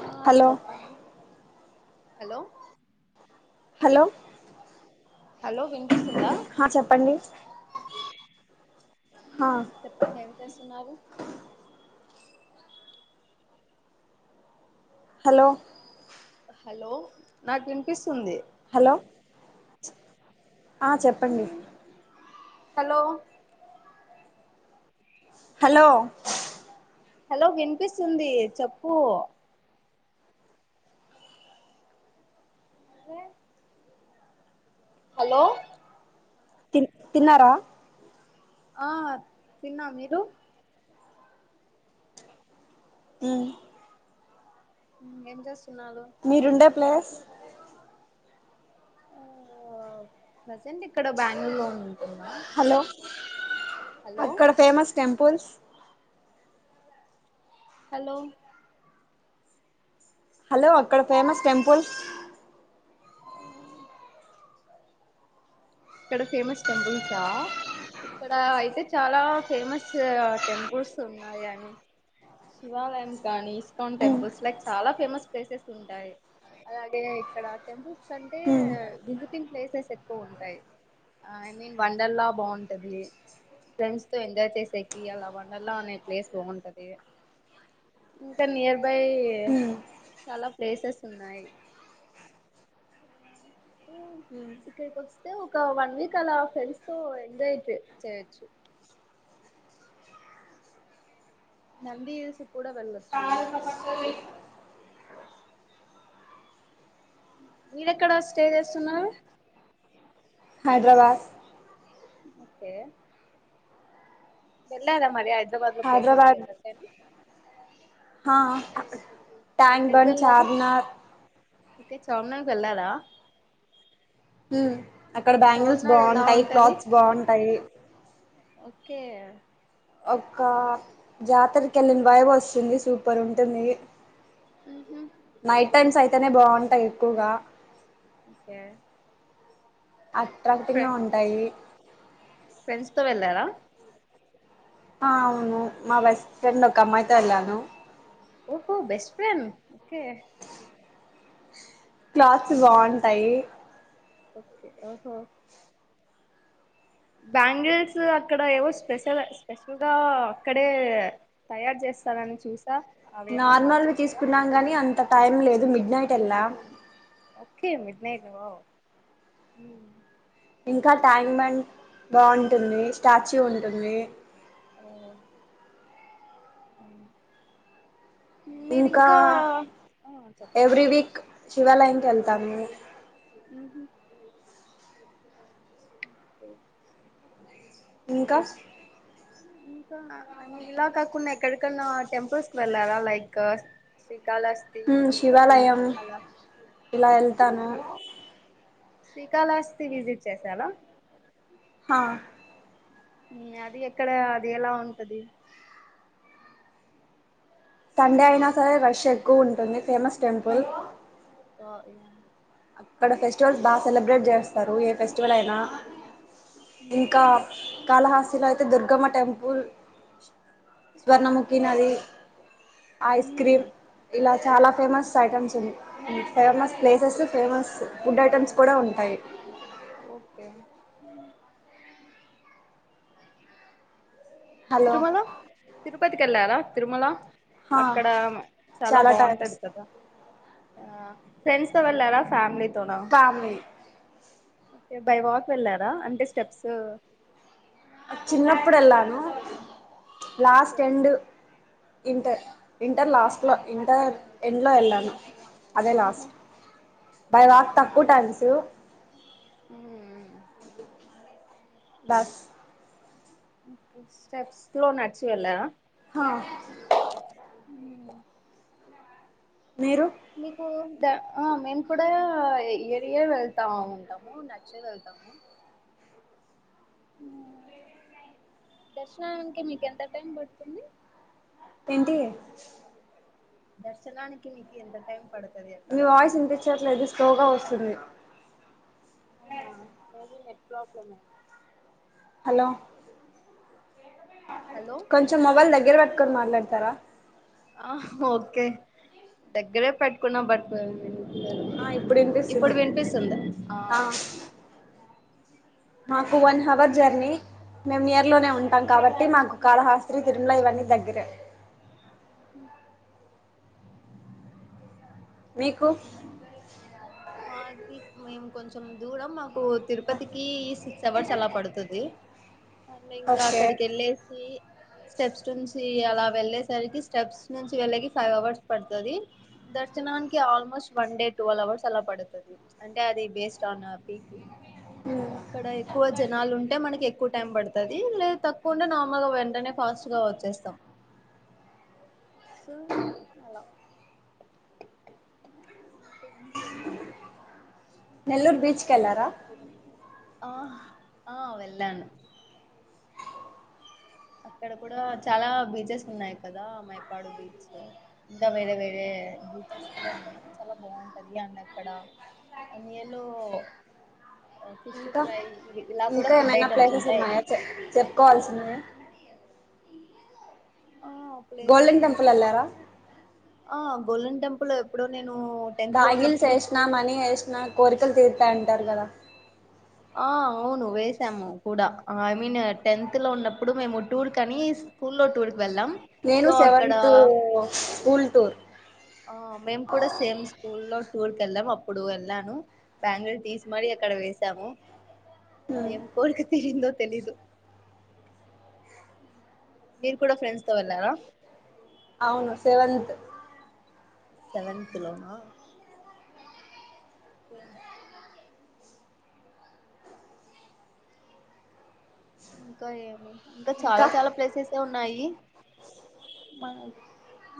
ఆ హలో చెప్పండి hello hello hello వినపిస్తుందా హా చెప్పండి హా చెప్పండి ఏమి చేస్తున్నారు హలో హలో నాకు వినిపిస్తుంది హలో చెప్పండి హలో హలో హలో వినిపిస్తుంది చెప్పు అదే హలో తిన్ తిన్నారా ఆ తిన్నా మీరు ఉమ్ ఎంచెస్తు మీరుండే ప్లేస్ ఆ ప్రసెంట్ ఇక్కడ బెంగళూరు లో ఉంటుందా హలో అక్కడ ఫేమస్ టెంపుల్స్ హలో హలో అక్కడ ఫేమస్ టెంపుల్ ఇక్కడ ఫేమస్ టెంపుల్స్ సా ఇక్కడ అయితే చాలా ఫేమస్ టెంపుల్స్ ఉన్నాయి అని శివాలయం కానీ ఇస్కాన్ మ్మ్ టెంపుల్స్ లైక్ చాలా ఫేమస్ ప్లేసెస్ ఉంటాయి అలాగే ఇక్కడ టెంపుల్స్ కంటే మ్మ్ విజిటింగ్ ప్లేసెస్ ఎక్కువ ఉంటాయి ఐ మీన్ వండర్లా బాగుంటది ఫ్రెండ్స్ తో ఎంజాయ్ చేసేకి అలా వండర్లా అనే ప్లేస్ బాగుంటది ఇంకా నియర్ బై మ్మ్ చాలా ప్లేసెస్ ఉన్నాయి ఇవ్ మ్మ్ ఇక్కడికి వస్తే ఒక వన్ వీక్ అలా ఫ్రెండ్స్ తో ఎంజాయ్ చే చేయచ్చు నంది హిల్స్ కూడా వెళ్లొచ్చు మీరు ఎక్కడ స్టే చేస్తున్నారు హైదరాబాద్ ఓకే వెళ్ళారా మరి హైదరాబాదు లో ప్లేసెస్ కి హైదరాబాద్ ఎక్కడికి అయిన హ ట్యాంక్ బన్ చార్మినార్ చార్మినార్ కు వెళ్ళారా ఉ అక్కడ బ్యాంగిల్స్ చార్మినార్ ఎలా బాగుంటాయి ఉంటది క్లాత్స్ బాగుంటాయి కే ఒక జాతరకి వెళ్ళిన వైబు వస్తుంది సూపర్ ఉంటుంది ఉహు నైట్ టైమ్స్ అయితేనే బాగుంటాయి ఎక్కువగా ఓకే ఫ్రె అట్రాక్టింగ్ ఉంటాయి ఫ్రెండ్స్ తో వెళ్లారా ఆ అవును మా బెస్ట్ ఫ్రెండ్ ఒక అమ్మాయితో వెళ్ళాను ఓహో బెస్ట్ ఫ్రెండ్ ఓకే క్లాత్స్ బాగుంటాయి ఓకే ఆహో బ్యాంగిల్స్ అక్కడ ఏవో స్పెషల్ స్పెషల్ గా అక్కడే తయారు చేసు ఇస్తనని చూసా అవి ఏమన్నా నార్మల్ వి చూసారా తీసుకున్నాం కాని అంత టైం లేదు మిడ్ నైట్ ఏళ్ల ఓకే మిడ్ నైట్ ఆ ఇంకా ట్యాంక్ బండ్ బాగుంటుంది స్టాచ్యూ ఉంటుంది అవున అ ఇంకా ఆ చెప్పండి ఎవ్రీ వీక్ శివాలయంనికి వెళ్తాము ఉహు ఇంకా ఇంకా ఇంకా అ ఇలా కాకుండా ఎక్కడకన్నా టెంపుల్స్ వెళ్ళారా లైక్ శ్రీకాళహస్తి ఉ తిరుపతి శివాలయం అలా ఇలా వెళ్తాను శ్రీకాళహస్తి విజిట్ చేశారా హా ఉ అది ఎక్కడ అది ఎలా ఉంటది సండే అయినా సరే రష్ ఎక్కువ ఉంటుంది ఫేమస్ టెంపుల్ హ ఇనను అక్కడ ఫెస్టివల్స్ బాగా సెలబ్రేట్ చేస్తారు ఏ ఫెస్టివల్ అయినా మ్ ఇంకా కాళహాస్తిలో అయితే దుర్గమ్మ టెంపుల్ స్వర్ణముఖి నది ఓకే ఐస్ మ్మ్ క్రీమ్ ఇలా చాలా ఫేమస్ ఐటెమ్స్ ఉంది famous places famous food items కూడా ఉంటాయి ఓకే హలో తిరుమల తిరుపతికి కెళ్ళారా తిరుమల హా అక్కడ చాలా బాగుంటది కదా ఆ ఫ్రెండ్స్ వెళ్ళారా family family okay by walk వెళ్లారా అంటే స్టెప్స్ చిన్నప్పుడు వెళ్లాను last okay end inter inter last లో ఇంటర్ ఎండ్ లో వెళ్ళాను అదే మ్ హు నాస్ట్ బై వాక్ తక్కువ టైమ్స్ ఆ బస్ [unintelligible] హ మీకు ఆ మేము కూడా ఏరియ వెళ్తా ఉంటాము నచ్చే వెళ్తాము దర్శనానికి మీక ఎంత టైం పడుతుంది ఏంటి దర్శనా అనికి నకు ఎంత టైం పడుతు మీ వాయిస్ ఇనిపించట్లేదు స్లోగా వస్తుంది [unintelligible] నెట్ ప్రబ్లం హలో హలో కొంచెం మొబైల్ ద దగ్గర పట్టుకొని మాట్లాడతారా ఆ ఓకే దగ్గరే పెట్టుకున్నాం బట్ ఆ ఇప్పుడు ఇప్పుడు వినిపిస్తుంది వినిపిస్తుంది ఆ మాకు వన్ హవర్ జర్నీ మేము ఇయర్ లోనే ఉంటాం ఓకే కాబట్టి మాకు కాళహాస్త్రి తిరుమల ఇవన్నీ దగ్గరే అ మీకు మాది మేము కొంచెం దూరం మాకు తిరుపతికి సిక్స్ అవర్స్ అలా పడుతుంది అంటే ఇంకా ఓకే అక్కడికి వెళ్ళేసి స్టెప్స్ ఉంచి అలా వెళ్ళేసరి స్టెప్స్ నుంచి వెళ్ళ ఫైవ్ అవర్స్ పడుతుంది దర్శనానికి almost one day twelve hours అలా పడుతుంది అంటే అది బేస్డ్ ఆన్ పీక్ ఉ అక్కడ ఎక్కువ జనాలు ఉంటే మనకి ఎక్కువ టైం పడుతుది లేద తక్కు ఉంటే నార్మల్ గా వెంటనే ఫాస్ట్ గా వచ్చేస్తాం [unintelligible] ఒకే నెల్లూరు బీచ్ కెళ్లారా ఆ వెళ్లను అక్కడ కూడా చాలా బీచెస్ ఉన్నాయి్ కదా మైపాడు బీచ్ ఇంకా వేరే వేరే బీచెస్ కూడా ఉన్నాయి చాలా బాగుంటది అండ్ అక్కడ [unintelligible] ఫిష్ ఇంకా ఫ్రై ఇవి ఇలా కూడా ఇంకా ఫుడ్ ఏమైనా ఐటమ్స్ ప్లేసెస్ ఉంటాయి ఉన్నాయా చె చెప్పుకోవాల్సినివి ఆ ప్లేసెస్ గోల్డెన్ టెంపుల్ ఇంకా ఎల్లర ఆ గోల్డెన్ టెంపుల్ ఎప్పుడో నేను టెన్త్ లో బాగిల్స్ ఉన్నప్పుడు వేసినా టూర్ మనీ వేసినా కోరికలు తీరుతాయి అంటారు కదా ఆ అవును వేసాము కూడా ఐ మీన్ టెన్త్లో ఉన్నప్పుడు మేము టూర్కని స్కూల్లో టూర్కి వెళ్ళాం నేను సో అక్కడ సెవెన్త్ స్కూల్ టూర్ ఆ మేము కూడా సేమ్ స్కూల్ లో టూర్ కెళ్ళాం అప్పుడు వెళ్ళాను బ్యాంగిల్ తీసి మరి అక్కడ వేసాము ఎమ్ కోరికతిరిందో తెలీదు మీరు కూడా ఫ్రెండ్స్ తో వెళ్ళారా అవును సెవెంత్ సెవెన్త్ లోనా ఎస్ ఏ ఇంకా ఏమి ఇంకా చాలా చాలా ప్లేసెస్యే ఉన్నాయి మనం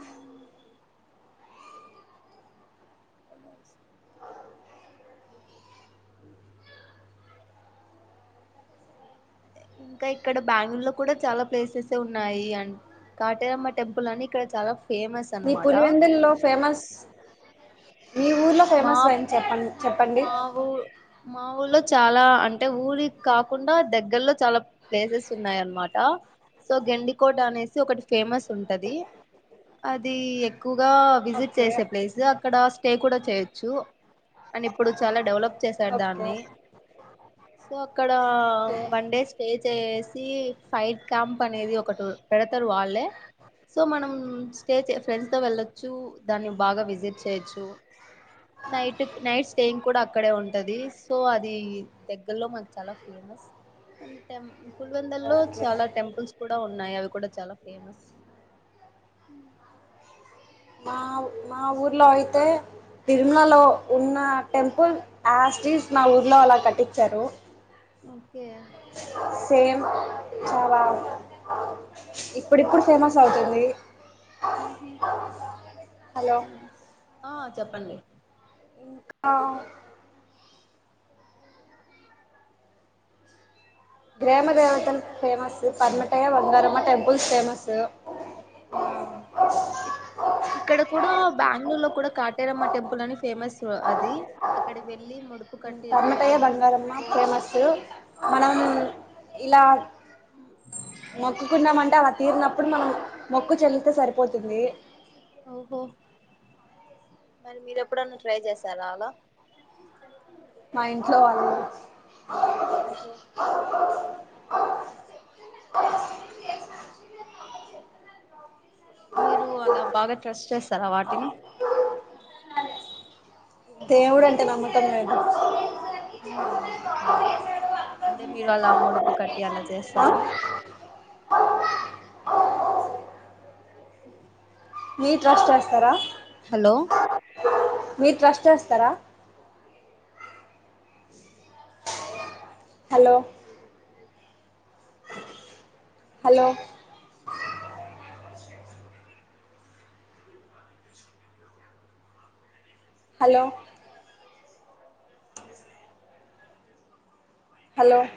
ఊ వెళ్ళాసినవి ఇంకా ఇక్కడ బెంగళూరు లో కూడా చాలా ప్లేసెస్యే ఉన్నాయి అం కాటేరమ్మ టెంపుల్ అని ఇక్కడ చాలా ఫేమస్ మీ అనమాట పులివెందుల్లో ఫేమస్ మీ ఊర్లో మా ఫేమస్ అయింది చెప్పండి చెప్పండి మా ఊ మా ఊర్లో చాలా అంటే ఊరికి కాకుండా దగ్గర్లో చాలా ప్లేసెస్ ఉన్నాయి అన్నమాట సో గెండికోట అనేసి ఒకటి ఫేమస్ ఉంటది అది ఎక్ ఎక్కువగా విజిట్ ఓకే చేసే ప్లేస్ అక్కడ స్టే కూడా చేయొచ్చు అండ్ ఇప్పుడు చాలా డెవలప్ చేసారు ఓకే దాన్ని సో ఇక్కడ ఓకే వన్ డే స్టే చే సీ ఫైట్ క్యాంప్ అనేది ఒకటి పెడతారు వాళ్ళే సో మనం స్టే ఫ్రెండ్స్ తో వెళ్ళొచ్చు దాన్ని బాగా విజిట్ చేయొచ్చు నైట్ టుక్ నైట్ స్టేంగ్ కూడా అక్కడే ఉంటది సో అది దగ్గర్లో మాకు చాలా ఫేమస్ అ టెం పులి వేందుల్లో ఓకే చాలా టెంపుల్స్ కూడా ఉన్నాయి అవి కూడా చాలా ఫేమస్ మా మా ఊర్లో అయితే తిరుమలలో ఉన్న టెంపుల్ ఆస్టీస్ నా ఊర్లో అలా కట్టించారు ఓకే సేమ్ చాలా ఇప్పుడిప్పుడు ఫేమస్ అవుతుంది హలో ఆ చెప్పండి ఇంకా గ్రామ దేవతలు ఫేమస్ పమటయ్య వంగారమ్మ టెంపుల్స్ ఫేమస్ యా ఇక్కడ కూడా బెంగళూరు లో కూడా కాటేరమ్మ టెంపుల్ అని ఫేమస్ అది అక్కడికి వె పడమటయ్యా య్య బంగారమ్మ ఫేమస్ కోరుకుంటే మనం ఇలా మోక్కుకున్నామంటే అమ తీరినప్పుడు మనం మొక్కు చెల్లింతే సరిపోతుంది ఓహో మరి మీరు ఎప్పుడన్నా ట్రై చేశారా అలా మా ఇంట్లో వాళ్ళు ఓహో మీరు అలా బాగా ట్రస్ట్ చేస్తారా వాటిని దేవుడంటే నమ్మకం లేద ఊహు అవును అంటే మీరు అలా ముడుపు కట్టి అలా ఆ చేస్తారా మీ ట్రస్ట్ చేస్తారా హలో మీరు ట్రస్ట్ చేస్తారా హలో హలో హలో హలో